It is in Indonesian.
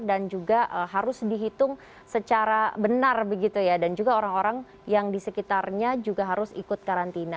dan juga harus dihitung secara benar begitu ya dan juga orang orang yang di sekitarnya juga harus ikut karantina